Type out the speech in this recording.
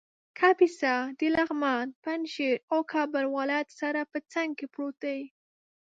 کاپیسا د لغمان ، پنجشېر او کابل ولایت سره په څنګ کې پروت دی